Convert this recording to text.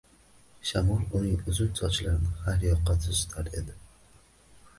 Shamol uning uzun sochlarini har yoqqa to‘zitar edi